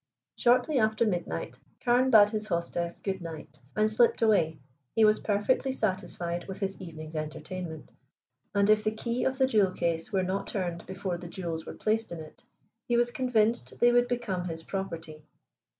Shortly after midnight Carne bade his hostess good night and slipped away. He was perfectly satisfied with his evening's entertainment, and if the key of the jewel case were not turned before the jewels were placed in it, he was convinced they would become his property.